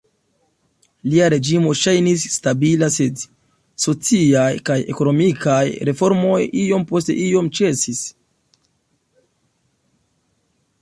Lia reĝimo ŝajnis "stabila", sed sociaj kaj ekonomikaj reformoj iom post iom ĉesis.